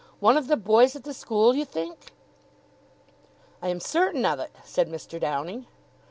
"One of the boys at the school, you think?" "I am certain of it," said Mr. Downing.